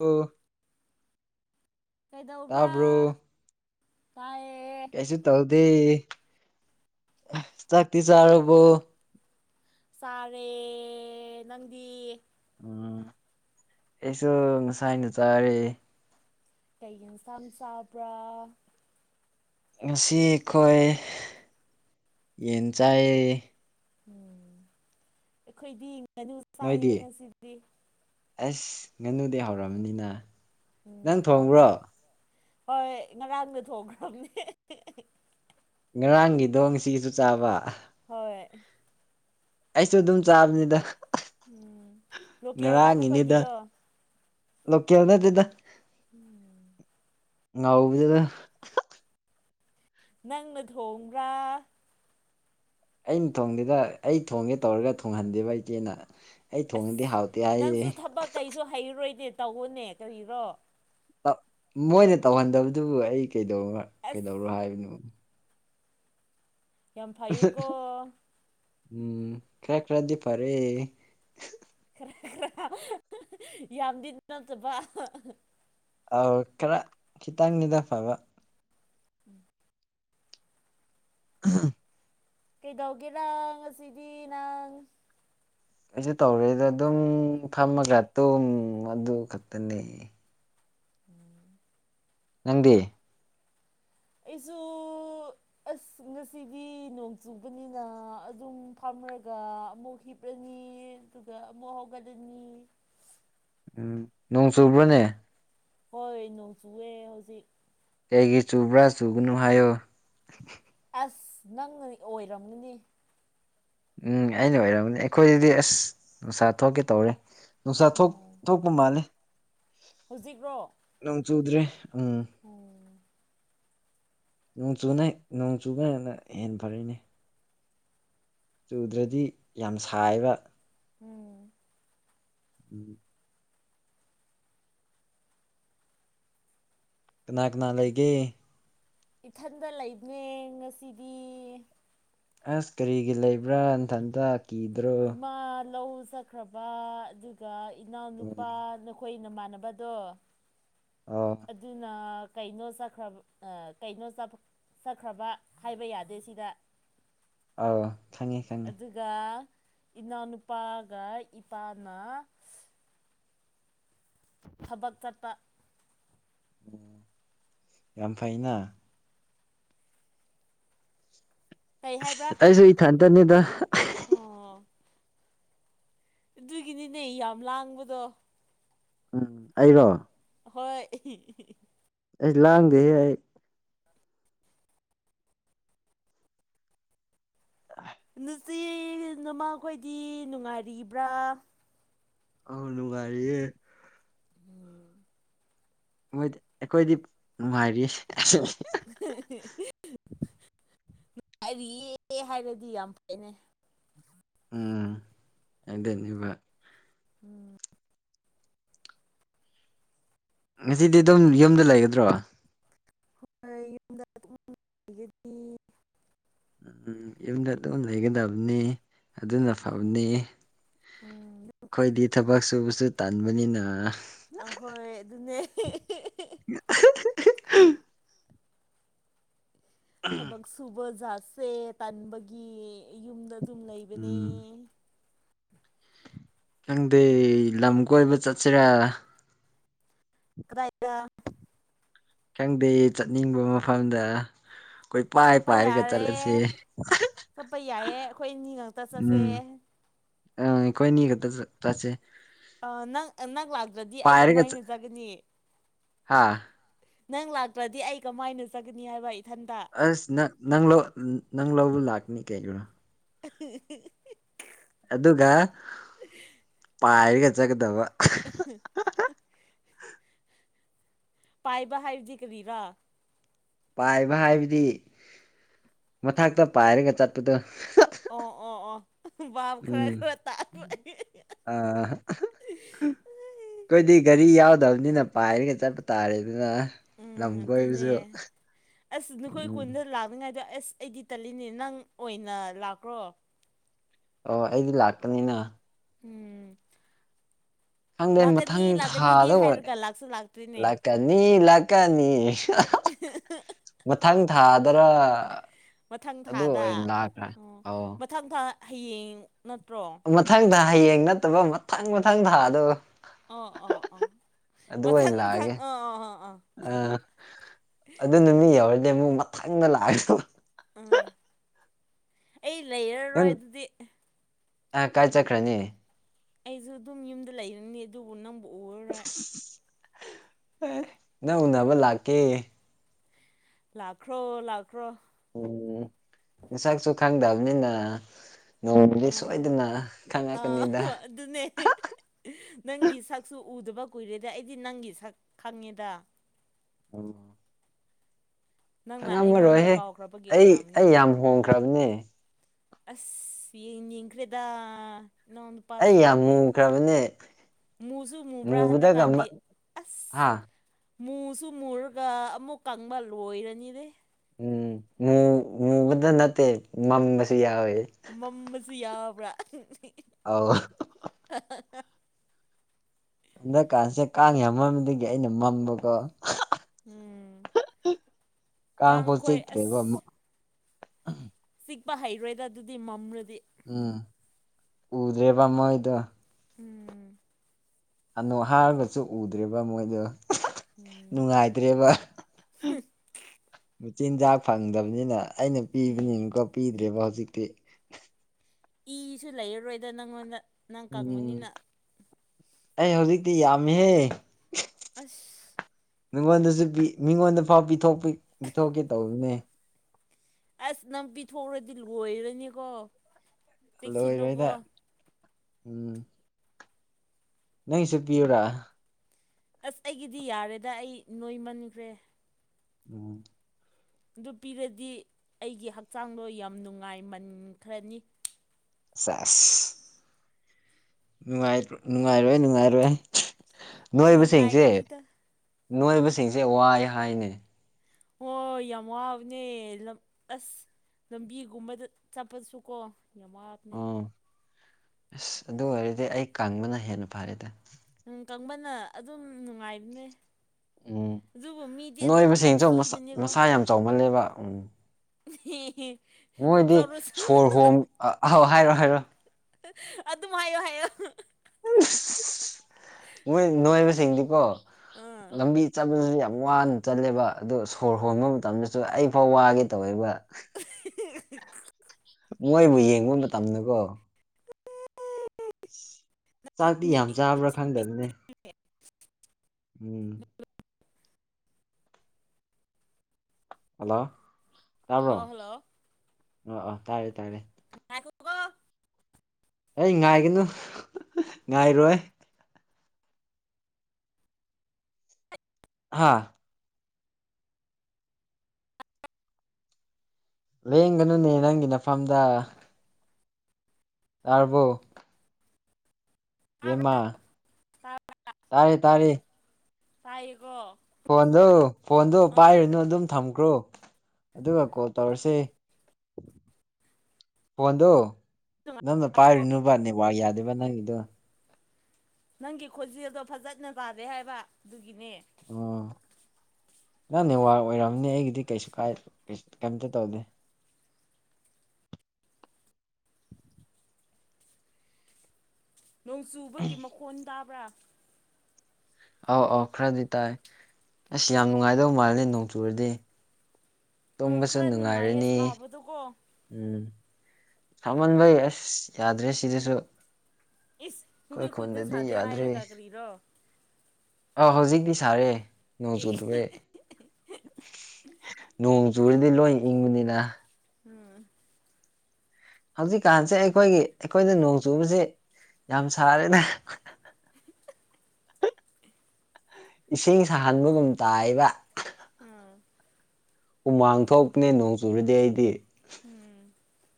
ꯑꯣ ꯀꯩꯗꯧꯕ꯭ꯔꯥ ꯇꯥꯕ꯭ꯔꯣ ꯇꯥꯏꯌꯦ ꯀꯩꯁꯨ ꯇꯧꯗꯦ ꯆꯥꯛꯇꯤ ꯆꯥꯔꯕꯣ ꯁꯥꯔꯦ ꯅꯪꯗꯤ ꯎꯝ ꯑꯩꯁꯨ ꯉꯁꯥꯏꯅ ꯆꯥꯔꯦ ꯀꯩ ꯌꯦꯟꯁꯥꯡ ꯆꯥꯕ꯭ꯔꯥ ꯉꯁꯤ ꯑꯩꯈꯣꯏ ꯌꯦꯟ ꯆꯥꯏ ꯎꯝ ꯑꯩꯈꯣꯏꯗꯤ ꯉꯅꯨ ꯆꯥꯏꯌꯦ ꯅꯣꯏꯗꯤ ꯉꯁꯤꯗꯤ ꯑꯁ ꯉꯥꯅꯨꯗꯤ ꯍꯧꯔꯛꯑꯕꯅꯤꯅ ꯎꯝ ꯍꯥꯎꯒꯦ ꯍꯣꯏ ꯉꯉꯥꯡꯗ ꯊꯣꯛꯈ꯭ꯔꯕꯅꯦ ꯉꯔꯥꯡꯒꯤꯗꯣꯁꯤꯁꯨ ꯆꯥꯕ ꯍꯣꯏ ꯑꯩꯁꯨ ꯑꯗꯨꯝ ꯆꯥꯕꯅꯤꯗ ꯎꯝ ꯂꯣꯀꯦꯜ ꯉꯔꯥꯡꯒꯤꯅꯤꯗ ꯂꯣꯀꯦꯜ ꯅꯠꯇꯦꯗ [inaudible] ꯉꯥꯎꯕꯤꯗꯗ ꯅꯪꯅ ꯊꯣꯡꯕ꯭ꯔꯥ ꯑꯩꯅ ꯊꯣꯡꯗꯦꯗ ꯑꯩ ꯊꯣꯡꯒꯦ ꯇꯧꯔꯒ ꯊꯣꯡꯍꯟꯗꯦꯕ ꯏꯆꯦꯅ ꯑꯩ ꯊꯣꯡꯉ ꯑꯁ ꯅꯪꯁꯨ ꯊꯕꯛ ꯀꯩꯁꯨ ꯍꯩꯔꯔꯣꯏꯅꯦ ꯇꯧꯕꯅꯦ ꯀꯔꯤꯔꯣ ꯃꯣꯏꯅ ꯇꯧꯍꯟꯗꯕꯗꯨꯕꯨ ꯑꯩꯩꯗ ꯑꯁ ꯀꯩꯗꯧꯔꯣ ꯍꯥꯏꯕꯅꯣꯕ ꯌꯥꯝ ꯐꯩꯌꯦꯀꯣ ꯎꯝ ꯀ꯭ꯔꯛ ꯔꯗꯤ ꯐꯔꯦ ꯈꯔ ꯈꯔ ꯌꯥꯝꯗꯤ ꯅꯠꯇꯕ ꯑ ꯈꯔ ꯈꯤꯇꯪꯅꯤꯗ ꯐꯕ [unintelligible] ꯀꯩꯗꯧꯒꯦꯔꯪ ꯑꯁꯤꯗꯤ ꯅꯪ ꯑꯩꯁꯨ ꯇꯧꯔꯦꯗ ꯑꯗꯨꯝ ꯐꯝꯃꯒ ꯇꯨꯝ ꯑꯗꯨ ꯈꯛꯇꯅꯦ [inaudible] ꯅꯪꯗꯤ ꯑꯩꯁꯨ ꯑꯁ ꯉꯁꯤꯗꯤ ꯅꯣꯡ ꯆꯨꯕꯅꯤꯅ ꯑꯗꯨꯝ ꯐꯥꯝ ꯑꯃꯔꯒ ꯑꯃꯨꯛ ꯍꯤꯞꯂꯅꯤ ꯑꯗꯨꯒ ꯑꯃꯨꯛ ꯍꯧꯒꯠꯂꯅꯤ ꯎꯝ ꯅꯣꯡ ꯆꯨꯕ꯭ꯔꯅꯦ ꯍꯣꯏ ꯅꯣꯡꯆꯨꯑꯦ ꯍꯧꯖꯤꯛ ꯀꯩꯒꯤ ꯆꯨꯕ꯭ꯔꯥ ꯆꯨꯒꯅꯨ ꯍꯥꯏꯌꯣ ꯑꯁ ꯅꯪꯅ ꯑꯣꯏꯔꯝꯒꯅꯤ ꯎꯝ ꯑꯩꯅ ꯑꯣꯏꯔꯝꯕꯅꯤ ꯑꯩꯈꯣꯏꯗꯗꯤ ꯑꯁ ꯅꯨꯡꯁꯥ ꯊꯣꯛꯀꯦ ꯇꯧꯔꯦ ꯅꯨꯡꯁꯥ ꯊꯣꯛ ꯎꯝ ꯊꯣꯛꯄ ꯃꯥꯜꯂꯦ ꯍꯧꯖꯤꯛꯔꯣ ꯅꯣꯡ ꯆꯨꯗ꯭ꯔꯦ ꯎꯝ ꯎꯝ ꯅꯣꯡ ꯆꯨꯅ ꯅꯣꯡ ꯆꯨꯒꯅꯅ ꯍꯦꯟꯅ ꯐꯔꯤꯅꯦ ꯆꯨꯗ꯭ꯔꯗꯤ ꯌꯥꯝ ꯁꯥꯏꯕ ꯎꯝ ꯎꯝ ꯀꯅꯥ ꯀꯅꯥ ꯂꯩꯒꯦ ꯏꯊꯟꯗ ꯂꯩꯅꯦ ꯉꯁꯤꯗꯤ ꯑꯁ ꯀꯔꯤꯒꯤ ꯂꯩꯕ꯭ꯔꯥ ꯏꯟꯊꯟꯇ ꯀꯤꯗ꯭ꯔꯣ ꯏꯃꯥ ꯂꯧ ꯆꯛꯈ꯭ꯔꯕ ꯑꯗꯨꯒ ꯎꯝ ꯏꯅꯥꯎꯅꯨꯄꯥ ꯅꯈꯣꯏ ꯅꯃꯥꯟꯅꯕꯗꯣ ꯑꯣ ꯑꯗꯨꯅ ꯀꯩꯅꯣ ꯆꯠꯈ꯭ꯔꯕ ꯀꯩꯅꯣ ꯆꯠꯈ꯭ꯔꯕ ꯍꯥꯏꯕ ꯌꯥꯗꯦ ꯁꯤꯗ ꯑ ꯑꯗꯨꯒ ꯏꯅꯥꯎꯅꯨꯄꯥ ꯊꯕꯛ ꯆꯠꯄ ꯑꯣ ꯌꯥꯝ ꯐꯩꯅ ꯀꯩ ꯍꯥꯏꯕ꯭ꯔꯥ ꯑꯩꯁꯨ ꯏꯊꯟꯇꯅꯤꯗ ꯑꯣ ꯑꯗꯨꯒꯤꯅꯤꯅꯦ ꯌꯥꯝ ꯂꯥꯡꯕꯗꯣ ꯎꯝ ꯑꯩꯔꯣ ꯍꯣꯏ ꯑꯩ ꯂꯥꯡꯗ ꯍꯦ ꯑꯩ ꯅꯨꯆ ꯅꯃꯈꯣꯏꯗꯤ ꯅꯨꯡꯉꯥꯏꯔꯤꯕ꯭ꯔꯥ ꯑꯥꯎ ꯅꯨꯨ ꯒꯥꯔꯤꯌꯦꯦ ꯣꯏꯗꯤ ꯑꯩꯈꯣꯏꯗꯤ ꯅꯨꯡꯉꯥꯏꯔꯤꯁꯦ [unintelligible] ꯍꯥꯏꯔꯤꯌꯦ ꯍꯥꯏꯔꯗꯤ ꯌꯥꯝ ꯐꯩꯅꯦ ꯎꯝ ꯑꯩꯗꯅꯤꯕ ꯎꯝ ꯉꯁꯤꯗꯤ ꯑꯗꯨꯝ ꯌꯨꯝꯗ ꯂꯩꯒꯗ꯭ꯔꯣ ꯍꯣꯏꯣꯏ ꯌꯨꯝꯗꯒꯗꯤ ꯎꯝ ꯎꯝ ꯌꯨꯝꯗ ꯑꯗꯨꯝ ꯂꯩꯒꯗꯕꯅꯤ ꯑꯗꯨꯅ ꯎꯝ ꯐꯕꯅꯤ ꯎꯝ ꯑꯩꯈꯣꯏꯗꯤ ꯊꯕꯛ ꯁꯨꯕꯁꯨ ꯇꯟꯥꯟꯕꯅꯤꯅ ꯑꯍꯣꯏ ꯑꯗꯨꯅꯦ ꯊꯕꯛ ꯁꯨꯕ ꯖꯠꯁꯦ ꯇꯥꯟꯕꯒꯤ ꯌꯨꯝꯗ ꯑꯗꯨꯝ ꯂꯩꯕꯅꯦ ꯎꯝ ꯈꯪꯗꯦ ꯂꯝ ꯀꯣꯏꯕ ꯆꯠꯁꯤꯔꯥ ꯀ ꯏꯗ ꯈꯪꯗꯦ ꯆꯠꯅꯤꯡꯕ ꯃꯐꯝꯗ ꯑꯩꯈꯣꯏ ꯄꯥꯏ ꯆꯠꯄ ꯄꯥꯏꯔꯒ ꯌꯥꯔꯦ ꯆꯠꯂꯁꯦ ꯆꯠꯄ ꯌꯥꯏꯌꯦ ꯑꯩꯈꯣꯏ ꯏꯅꯤ ꯉꯇ ꯆꯠꯁꯦ ꯑ ꯀꯣꯏꯅꯤ ꯀꯗ ꯆꯁꯦ ꯑ ꯅꯪ ꯅꯪ ꯂꯥꯛꯇ꯭ꯔꯗꯤ ꯑꯩ ꯄꯥꯏꯔꯒ ꯆꯠ ꯀꯃꯥꯏꯅꯖꯒꯅꯤ ꯍꯥ ꯅꯪ ꯂꯥꯛꯇ꯭ꯔꯗꯤ ꯑꯩ ꯀꯃꯥꯏꯅ ꯆꯠꯒꯅꯤ ꯍꯥꯏꯕ ꯑꯩ ꯑꯁ ꯅꯪ ꯅꯪ ꯅꯪ ꯂꯧꯕ ꯂꯥꯛꯀꯅꯤ ꯀꯩꯒꯤꯅꯣ ꯎ ꯑꯗꯨꯒ ꯄꯥꯏꯔꯒ ꯆꯠꯀꯗꯕ ꯄꯥꯏꯕ ꯍꯥꯏꯖꯤ ꯀꯔꯤꯔꯥ ꯄꯥꯏꯕ ꯍꯥꯏꯕꯗꯤ ꯃꯊꯛꯇ ꯄꯥꯏꯔꯒ ꯆꯠꯄꯗꯣ ꯑꯣ ꯑꯣ ꯑꯣ ꯞ ꯈꯔ ꯎꯝ ꯈꯔ ꯇꯥꯇ ꯄ ꯑ ꯑꯩꯈꯣꯏꯗꯤ ꯒꯥꯔꯤ ꯌꯥꯎꯗꯕꯅꯤꯅ ꯄꯥꯏꯔꯒ ꯆꯠꯄ ꯇꯥꯔꯦ ꯑꯗꯨꯅ ꯂꯝ ꯎꯝ ꯀꯣꯏꯕꯁꯨ ꯑꯗꯨꯅꯦ ꯎꯝ ꯑꯦꯁ ꯑꯩꯗꯤ ꯇꯂꯤꯅꯦ ꯅꯪ ꯑꯣꯏꯅ ꯂꯥꯛꯈ꯭ꯔꯣ ꯑꯣ ꯑꯩꯗꯤ ꯂꯥꯛꯀꯅꯤꯅ ꯎꯝ ꯈꯪꯗꯦ ꯃꯊꯪ ꯂꯥꯛꯀꯅꯤ ꯂꯥꯛꯀꯅꯤꯗꯤ ꯊꯥꯗ ꯑꯣꯏꯔꯦ ꯍꯥꯏꯔꯒ ꯂꯥꯛꯁꯨ ꯂꯥꯛꯇ꯭ꯔꯤꯅꯦ ꯂꯥꯛꯀꯅꯤ ꯂꯥꯛꯀꯅꯤ [unintelligible] ꯃꯊꯪ ꯊꯥ ꯑꯗ꯭ꯔ ꯃꯊꯪ ꯊꯥꯗ ꯑꯣ ꯑꯧ ꯃꯊꯪ ꯊꯥ ꯍꯌꯦꯡ ꯅꯠꯇ꯭ꯔꯣ ꯃꯊꯪꯗ ꯍꯌꯦꯡ ꯅꯠꯇꯕ ꯃꯊꯪ ꯃꯊꯪ ꯊꯥꯗꯣ ꯑꯣ ꯑꯣ ꯑꯣ ꯑꯗꯨ ꯑ ꯃꯊꯪ ꯃꯊꯪ ꯂꯥꯛꯑꯒꯦ ꯑꯣ ꯑꯣ ꯑꯣ ꯑꯣ ꯑ ꯑꯗꯨ ꯅꯨꯃꯤ ꯌꯧꯔꯗꯤ ꯑꯃꯨꯛ ꯃꯊꯪꯗ ꯂꯥꯛꯑꯁꯨ ꯎꯝ ꯑꯩ ꯂꯩꯔꯔꯣꯏ ꯑꯗꯨꯗꯤ ꯑ ꯀꯥꯏ ꯆꯠꯈ꯭ꯔꯅꯤ ꯑꯩꯁꯨ ꯑꯗꯨꯝ ꯌꯨꯝꯗ ꯂꯩꯔꯅꯤ ꯑꯗꯨꯕꯨ ꯅ ꯑꯦ ꯅꯪ ꯎꯅꯕ ꯂꯥꯛꯀꯦ ꯂꯥꯛꯈꯔꯣ ꯂꯥꯛ ꯎꯝ ꯅꯁꯛꯁꯨ ꯈꯪꯗꯝꯅꯤꯅ ꯅꯣꯡꯃꯗꯤ ꯎꯝ ꯁꯣꯏꯗꯅ ꯑꯥ ꯈꯪꯉꯛꯀꯅꯤꯗ ꯑꯗꯨꯅꯦ ꯅꯪꯒꯤ ꯁꯛꯁꯨ ꯎꯗꯕ ꯀꯨꯏꯔꯦꯗ ꯑꯩꯗꯤ ꯅꯪꯒꯤ ꯁꯛ ꯈꯪꯉꯦꯗ ꯑꯝ ꯅꯪꯅ ꯑꯩꯉꯣꯟꯗ ꯈꯪꯉꯝꯃꯔꯣꯏꯍꯦ ꯀꯥꯎꯈ꯭ꯔꯕꯒꯤ ꯑꯩ ꯑꯣꯏꯔꯝꯅꯤ ꯑꯩ ꯌꯥꯝ ꯍꯣꯡꯈ꯭ꯔꯝꯅꯦ ꯑꯁ ꯌꯦꯡꯅꯤꯡꯈ꯭ꯔꯦꯗ ꯑꯩ ꯌꯥꯝ ꯃꯨꯈ꯭ꯔꯕꯅꯦ ꯃꯨꯁꯨꯨ ꯃꯨꯕ꯭ꯔꯥ ꯍꯟꯗ ꯃꯨꯕꯗꯒ ꯃ ꯀꯥꯟꯗꯤ ꯑꯁ ꯍꯥ ꯃꯨꯁꯨ ꯃꯨꯔꯒ ꯑꯃꯨꯛ ꯀꯪꯕ ꯂꯣꯏꯔꯅꯤꯅꯦ ꯎꯝ ꯃꯨ ꯃꯨꯕꯗ ꯅꯠꯇ ꯃꯝꯕꯁꯨ ꯌꯥꯌꯦ ꯃꯝꯝꯕꯁꯨ ꯌꯥꯕ꯭ꯔꯥ ꯑꯥꯎ ꯍꯟꯗꯛꯀꯥꯟꯁꯦ ꯀꯥꯡ ꯌꯥꯝꯃꯝꯗꯒꯤ ꯑꯩꯅ ꯃꯝꯕꯀꯣ ꯎꯝ ꯀꯥꯡ ꯐꯥꯎ ꯀꯥꯡꯈꯣꯏ ꯆꯤꯛꯇ꯭ꯔꯦꯒꯣ ꯃꯥ ꯑꯍꯨꯝ ꯇꯤꯛꯄ ꯍꯩꯔꯣꯏꯗ ꯑꯗꯨꯗꯤ ꯃꯝꯔꯗꯤ ꯎꯝ ꯎꯗꯔ꯭ꯦꯕꯥ ꯃꯣꯏꯗꯣ ꯎꯝ ꯑꯅꯨ ꯍꯥꯏꯔꯒꯁꯨ ꯎꯗꯔ꯭ꯦꯕ ꯃꯣꯏꯗꯣ ꯎꯝ ꯅꯨꯡꯉꯥꯏꯗ꯭ꯔꯦꯕ ꯆꯤꯟꯖꯥꯛ ꯐꯪꯗꯕꯅꯤꯅ ꯑꯩꯅ ꯎꯝ ꯄꯤꯕꯅꯤꯀꯣ ꯄꯤꯗ꯭ꯔꯦꯕ ꯍꯧꯖꯤꯛꯇꯤ ꯏꯁꯨ ꯂꯩꯔꯔꯣꯏꯗ ꯅꯪꯉꯣꯟꯗ ꯅꯪ ꯎꯝ ꯀꯪꯕꯅꯤꯅ ꯑꯩ ꯍꯧꯖꯤꯛꯇꯤ ꯌꯥꯝꯃꯦꯍꯦ ꯑꯁ ꯃꯤꯉꯣꯟꯗꯁꯨ ꯄꯤ ꯃꯤꯉꯣꯟꯗꯥꯎ ꯄꯤꯊꯣꯛꯄꯤ ꯄꯤꯊꯣꯛꯀꯦ ꯇꯧꯕꯅꯦ ꯑꯁ ꯅꯝ ꯄꯤꯊꯣꯛ꯭ꯔꯗꯤ ꯂꯣꯏꯔꯅꯤꯀꯣ ꯆꯦꯛꯁꯤꯜꯂꯣꯀꯣ ꯂꯣꯏꯔꯣꯏꯗ ꯎꯝ ꯅꯪꯁꯨ ꯄꯤꯌꯨꯔꯥ ꯑꯁ ꯑꯩꯒꯤꯗꯤ ꯌꯥꯔꯦꯗ ꯑꯩ ꯅꯣꯏꯃꯟꯈ꯭ꯔꯦ ꯎꯝ ꯑꯗꯨ ꯄꯤꯔꯗꯤ ꯑꯩꯒꯤ ꯍꯛꯆꯥꯡꯗꯣ ꯌꯥꯝ ꯅꯨꯡꯉꯥꯏꯃꯟꯈ꯭ꯔꯅꯤ ꯁꯦꯁ ꯅꯨꯡꯉꯥꯏꯇꯔ꯭ ꯅꯨꯡꯉꯥꯏꯔꯣꯏ ꯅꯨꯡꯉꯥꯏꯔꯣꯏ ꯅꯣꯏꯕꯁꯤꯡꯁꯦ ꯅꯨꯡꯉꯥꯏꯒꯅꯤꯗ ꯅꯣꯏꯕꯁꯤꯡꯁꯦ ꯋꯥꯏ ꯍꯥꯏꯅꯦ ꯍꯣꯏ ꯌꯥꯝ ꯋꯥꯕꯅꯦ ꯂꯝ ꯑꯁ ꯂꯝꯕꯤꯒꯨꯝꯕꯗ ꯆꯠꯄꯗꯁꯨ ꯀꯣ ꯌꯥꯝ ꯋꯥꯕꯅꯦ ꯑꯣ ꯑꯁ ꯑꯗꯨ ꯑꯣꯏꯔꯗꯤ ꯑꯩ ꯀꯪꯕꯅ ꯍꯦꯟꯅ ꯐꯔꯦꯗ ꯀꯪꯕꯅ ꯑꯗꯨꯝ ꯅꯨꯡꯉꯥꯏꯕꯅꯦ ꯎꯝ ꯑꯗꯨꯕꯨ ꯃꯤꯗꯤ ꯑꯗꯨꯝ ꯅꯣꯏꯕꯁꯤꯡꯁꯨ ꯃꯁꯛ ꯍꯥꯏꯊꯤꯕꯅꯦꯀꯣ ꯃꯁꯥ ꯌꯥꯝ ꯆꯥꯎꯃꯜꯂꯦꯕ ꯎꯝ ꯑꯦꯍꯤ ꯍꯤ ꯃꯣꯏꯗꯤ ꯁꯣꯔ ꯍꯣꯡ ꯍꯥꯏꯔꯣ ꯍꯥꯏꯔꯣ ꯑꯗꯨꯝ ꯍꯥꯏꯌꯣ ꯍꯥꯏꯌꯣ ꯎꯁ ꯃꯣꯏ ꯅꯨꯡꯉꯥꯏꯕꯁꯤꯡꯗꯤꯀꯣ ꯑꯥ ꯂꯝꯕꯤ ꯆꯠꯄꯁꯨ ꯌꯥꯝ ꯝ ꯋꯥꯅ ꯆꯜꯂꯦꯕ ꯑꯗꯨ ꯁꯣꯔ ꯍꯣꯟꯕ ꯃꯇꯝꯗꯁꯨ ꯑꯩ ꯐꯥꯎ ꯋꯥꯒꯦ ꯇꯧꯋꯦꯕ [inaudible] ꯃꯣꯏꯕꯨ ꯌꯦꯡꯕ ꯃꯇꯝꯗꯀꯣ ꯑꯦ [unintelligible] ꯆꯥꯛꯇꯤ ꯌꯥꯝ ꯆꯥꯕ꯭ꯔꯥ ꯈꯪꯗꯟꯅꯦ [inaudible] ꯎꯝ ꯍꯜꯂꯣ ꯇꯥꯕ꯭ꯔꯣ ꯑꯣ ꯍꯜꯂꯣ ꯑꯣ ꯑꯣ ꯇꯥꯏꯔꯦ ꯇꯥꯏꯔꯦ ꯉꯒꯣ ꯑꯩ ꯉꯥꯏꯒꯅꯨ ꯉꯥꯏꯔꯣꯏ ꯍꯥꯥ ꯂꯦꯡꯒꯅꯨꯅꯦ ꯅꯪꯒꯤ ꯅꯐꯝꯗ ꯇꯥꯕꯨꯣ ꯇꯥꯕ꯭ꯔꯣ ꯃ ꯇꯥꯔꯦ ꯇꯥꯔꯦ ꯇꯥꯏꯒꯣ ꯐꯣꯟꯗꯣ ꯐꯣꯟꯗꯣ ꯄꯥꯏꯔꯨꯅꯨ ꯑꯗꯨꯝ ꯊꯝꯈ꯭ꯔꯣ ꯑꯗꯨꯒ ꯀꯣꯜ ꯇꯧꯔꯁꯦ ꯐꯣꯟꯗꯣ ꯅꯪꯅ ꯄꯥꯏꯔꯨꯅꯨꯕ ꯅꯦꯠꯋꯛ ꯌꯥꯗꯦꯕ ꯅꯪꯒꯤꯗꯣ ꯅꯪꯒꯤ ꯈꯣꯟꯖꯦꯜꯗꯣ ꯐꯖꯅ ꯇꯥꯗꯦ ꯍꯥꯏꯕ ꯑꯗꯨꯒꯤꯅꯦ ꯎꯝ ꯅꯪꯅꯦꯦ ꯋꯥꯔ ꯑꯣꯏꯔꯝꯅꯤ ꯑꯩꯒꯤꯗꯤ ꯀꯩꯁꯨ ꯀꯥꯏ ꯀꯩꯝꯇ ꯇꯧꯗꯦ [unintelligible] ꯅꯣꯡ ꯆꯨꯕꯒꯤ ꯃꯈꯣꯟ ꯇꯥꯕ꯭ꯔꯥ ꯑꯧ ꯑꯧ ꯈꯔꯗꯤ ꯇꯥꯏ ꯑꯁ ꯌꯥꯝ ꯅꯨꯡꯉꯥꯏꯗꯧ ꯃꯥꯜꯂꯅꯦ ꯅꯣꯡ ꯆꯨꯔꯗꯤ ꯎꯝ ꯇꯨꯝꯕꯁꯨ ꯈꯔ ꯅꯨꯡꯉꯥꯏꯌꯦ ꯅꯨꯡꯉꯥꯏꯔꯅꯤ ꯁꯥꯕꯗꯣꯀꯣ ꯎꯝ ꯊꯃꯟꯕꯩ ꯑꯁ ꯌꯥꯗ꯭ꯔꯦ ꯁꯤꯗꯁꯨ ꯏꯁ ꯑꯩꯈꯣꯏ ꯅꯈꯣꯏ ꯈꯨꯟꯗ ꯈꯨꯟꯗꯗꯤ ꯁꯥꯗꯦ ꯌꯥꯗ꯭ꯔꯤ ꯍꯥꯏꯔꯒ ꯀꯔꯤꯔꯣ ꯑ ꯍꯧꯖꯤꯛꯇꯤ ꯁꯥꯔꯦ ꯅꯣꯡ ꯑꯦ ꯆꯨꯗꯨꯔꯦꯣꯡ ꯖꯨꯔꯤꯗꯤ ꯂꯣꯏ ꯏꯪꯕꯅꯤꯅ ꯎꯝ ꯍꯧꯖꯤꯛꯀꯥꯟꯁꯦ ꯑꯩꯈꯣꯏꯒꯤ ꯑꯩꯈꯣꯏꯅ ꯅꯣꯡ ꯆꯨꯕꯁꯦ ꯌꯥꯝ ꯁꯥꯔꯦꯅꯦ ꯏꯁꯤꯡ ꯁꯥꯍꯟꯕꯒꯨꯝ ꯇꯥꯏꯕ ꯑꯣꯝ ꯎꯨꯃꯥꯡ ꯊꯣꯛꯄꯅꯦ ꯅꯣꯡ ꯆꯨꯔꯗꯤ ꯑꯩꯗꯤ ꯎꯝ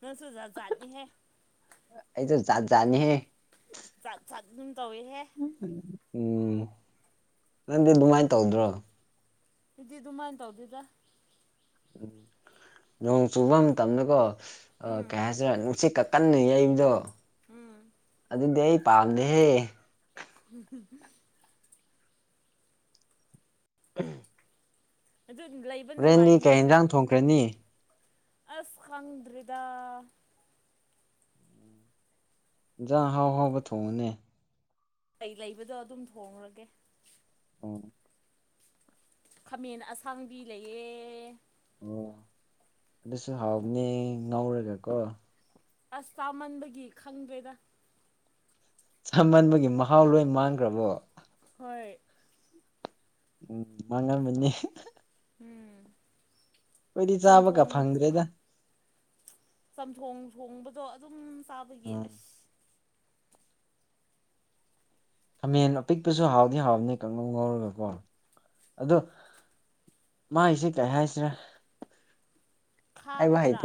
ꯅꯁꯨꯨꯖꯥ ꯆꯥꯅꯤ ꯍꯦ ꯑꯩꯗꯠꯖꯥꯅꯤꯍꯦ ꯆꯠ ꯑꯗꯨꯝ ꯇꯧꯏꯦꯍꯦ ꯎꯝ ꯅꯪꯗꯤ ꯑꯗꯨꯃꯥꯏꯅ ꯇꯧꯗ꯭ꯔꯣ ꯏꯗꯤ ꯑꯗꯨꯃꯥꯏꯅ ꯇꯧꯗꯦꯗ ꯎꯝ ꯅꯣꯡ ꯆꯨꯕ ꯃꯇꯝꯗꯀꯣ ꯎꯝ ꯀꯩ ꯍꯥꯏꯁꯤꯔꯦ ꯅꯨꯡꯁꯤꯠ ꯀꯛ ꯀꯟꯅ ꯌꯩꯕꯗꯣ ꯎꯝ ꯑꯗꯨꯗꯤ ꯑꯩ ꯄꯥꯝꯅꯦꯍꯦ [unintelligible] ꯎꯝ ꯑꯗꯨ ꯂꯩꯕ ꯍꯣꯔꯦꯟꯗꯤ ꯀꯩ ꯌꯦꯟꯖꯥꯡ ꯊꯣꯡꯈ꯭ꯔꯦꯅꯤ ꯑꯁꯈꯪꯗ꯭ꯔꯤꯗꯥ ꯍꯥꯎ ꯍꯥꯎꯕ ꯊꯣꯡꯉꯨꯅꯦ ꯀ ꯂꯩꯕꯗꯣ ꯑꯗꯨꯝ ꯊꯣꯡꯡꯂꯒꯦ ꯑꯣ ꯈꯥꯃꯦꯟ ꯑꯁꯥꯡꯕꯤ ꯂꯩꯌꯦ ꯑꯣ ꯑꯗꯨꯁꯨ ꯍꯥꯎꯅꯤ ꯉꯧꯔꯒ ꯀꯣ ꯑꯁ ꯆꯥꯃꯟꯕꯒꯤ ꯈꯪꯗ꯭ꯔꯦꯗ ꯁꯃꯟꯕꯒꯤ ꯃꯍꯥꯎ ꯂꯣꯏ ꯃꯥꯟꯈ꯭ꯔꯕꯣ ꯍꯣꯏ ꯎꯝ ꯃꯉꯟ ꯃꯅꯤꯅꯤ ꯎꯝ ꯑꯩꯈꯣꯏꯗꯤ ꯆꯥꯕꯒ ꯆꯝꯊꯣꯡ ꯐꯪꯗ꯭ꯔꯦꯗ ꯆꯝꯊꯣꯡ ꯊꯣꯡꯕꯗꯣ ꯑꯗꯨꯝ ꯆꯥꯕꯒꯤ ꯎꯝ ꯑꯁ ꯈꯥꯃꯦꯟ ꯑꯄꯤꯛꯄꯁꯨ ꯍꯥꯎꯗꯤ ꯍꯥꯎꯕꯅꯦ ꯀꯪꯉꯧ ꯉꯧꯔꯒꯀꯣ ꯑ ꯃ ꯏꯁꯦ ꯀꯩ ꯍꯥꯏꯁꯤꯔꯦ ꯈꯥꯕꯗꯔꯥ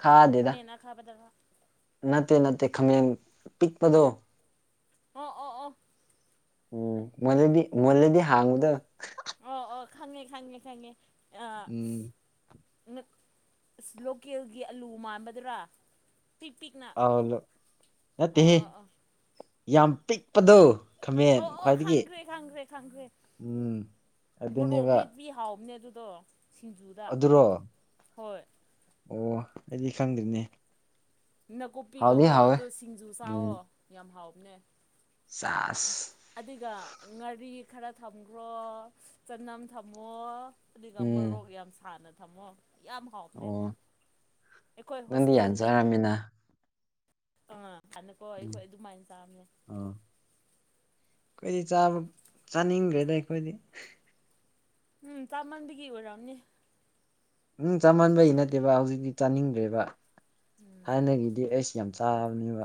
ꯈꯥꯗꯦꯗ ꯈꯃꯅꯥ ꯈꯥꯕꯗ꯭ꯔꯥ ꯅꯠꯇꯦ ꯅꯠꯇꯦ ꯈꯥꯃꯦꯟ ꯄꯤꯛꯄꯗꯣ ꯑꯣ ꯑꯣ ꯑꯣ ꯎꯝ ꯃꯗꯤ ꯃꯦꯗꯤ ꯍꯥꯡꯉꯗ ꯑꯣ ꯑꯣ ꯈꯪꯉꯦ ꯈꯪꯉꯦ ꯈꯪꯉꯦ ꯎꯝ ꯑꯁ ꯂꯣꯀꯦꯜꯒꯤ ꯑꯂꯨ ꯃꯥꯟꯕꯗꯨꯔꯥ ꯄꯤꯛ ꯄꯤꯛꯅ ꯑꯂꯣ ꯑꯣ ꯅꯠꯇꯦꯍꯦ ꯑꯣ ꯑꯣ ꯌꯥꯝ ꯄꯤꯛꯄꯗꯣ ꯈꯥꯃꯦꯟ ꯑ ꯑ ꯈ꯭ꯋꯥꯏꯗꯒꯤ ꯈꯪꯈ꯭ꯔꯦ ꯈꯪꯈ꯭ꯔꯦ ꯈꯪꯈ꯭ꯔꯦ ꯎꯝ ꯃꯣꯔꯣꯛ ꯑꯗꯨꯅꯦꯕ ꯃꯦꯠꯄꯤ ꯍꯥꯎꯅꯦ ꯑꯗꯨ ꯇꯣ ꯁꯤꯡꯖꯨꯗ ꯑꯗꯨꯔꯣ ꯍꯣꯏ ꯑꯣ ꯑꯩꯗꯤ ꯈꯪꯗ꯭ꯔꯤꯅꯦ ꯍꯥꯎꯗꯤ ꯅꯥꯀꯨꯞꯄꯤꯒꯀꯣ ꯍꯥꯎꯋꯦ ꯑꯗꯨꯗ ꯁꯤꯡꯖꯨ ꯎꯝ ꯆꯥꯋꯣ ꯌꯥꯝ ꯍꯥꯎꯕꯅꯦ ꯆꯥꯁ ꯑꯗꯨꯒ ꯉꯔꯤ ꯈꯔ ꯊꯝꯈ꯭ꯔꯣ ꯆꯅꯝ ꯊꯝꯃꯣ ꯑꯗꯨꯒ ꯎꯝ ꯃꯣꯔꯣꯛ ꯌꯥꯝ ꯁꯥꯅ ꯊꯝꯃꯣ ꯌꯥꯝ ꯍꯥꯎꯕꯅꯦ ꯑꯣ ꯑꯩꯈꯣꯏ ꯅꯪꯗꯤ ꯍꯣꯁꯇꯦꯜ ꯌꯥꯝ ꯂꯩ ꯆꯥꯔꯝꯃꯤꯅ ꯑꯥ ꯍꯥꯟꯗꯛꯀꯣ ꯎꯝ ꯑꯩꯈꯣꯏ ꯑꯗꯨꯃꯥꯏꯅ ꯆꯥꯕꯅꯦ ꯑꯥ ꯑꯩꯈꯣꯏꯗꯤ ꯆꯥꯕ ꯆꯥꯅꯤꯡꯈ꯭ꯔꯦꯗ ꯑꯩꯈꯣꯏꯗꯤ ꯎꯝ ꯆꯥꯃꯟꯕꯒꯤ ꯑꯣꯏꯔꯝꯅꯦ ꯎꯝ ꯆꯥꯃꯟꯕꯩ ꯅꯠꯇꯦꯕ ꯍꯧꯖꯤꯛꯇꯤ ꯆꯥꯅꯤꯡꯗ꯭ꯔꯦꯕ ꯎꯝ ꯊꯥꯏꯅꯒꯤꯗꯤ ꯑꯩꯁ ꯌꯥꯝ ꯆꯥꯕꯅꯦꯕ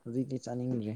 ꯍꯧꯖꯤꯛꯇꯤ ꯆꯥꯅꯤꯡꯗ꯭ꯔꯦ